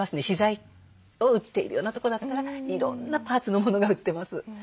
資材を売っているようなとこだったらいろんなパーツのものが売ってます。